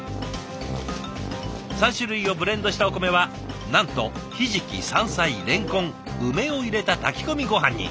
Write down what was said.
３種類をブレンドしたお米はなんとひじき山菜れんこん梅を入れた炊き込みごはんに。